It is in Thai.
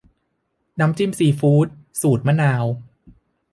น้ำจิ้มซีฟู้ด สูตรมะนาว